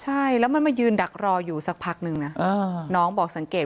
ใช่แล้วมันมายืนดักรออยู่สักพักนึงนะน้องบอกสังเกต